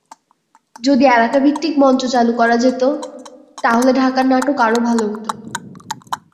যদি এলাকাভিত্তিক মঞ্চ চালু করা যেত, তাহলে ঢাকার নাটক আরও ভালো হতো।